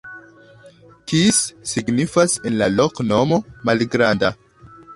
Kis signifas en la loknomo: malgranda.